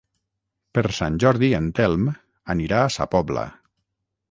Per Sant Jordi en Telm anirà a Sa Pobla.